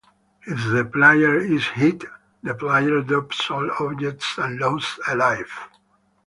If the player is hit, The player drops all objects and loses a life.